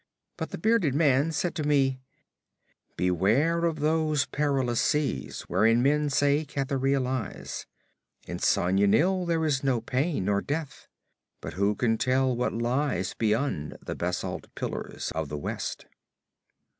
But the bearded man said to me, "Beware of those perilous seas wherein men say Cathuria lies. In Sona Nyl there is no pain nor death, but who can tell what lies beyond the basalt pillars of the West?"